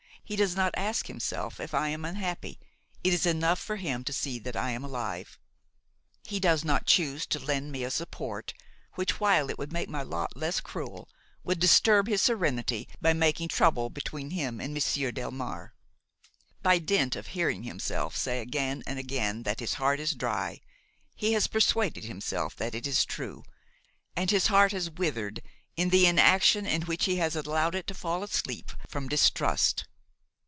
He does not ask himself if I am unhappy; it is enough for him to see that I am alive. He does not choose to lend me a support, which, while it would make my lot less cruel, would disturb his serenity by making trouble between him and Monsieur Delmare. By dint of hearing himself say again and again that his heart is dry, he has persuaded himself that it is true, and his heart has withered in the inaction in which he has allowed it to fall asleep from distrust.